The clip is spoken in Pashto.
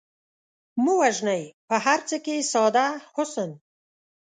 مه وژنئ په هر څه کې ساده حسن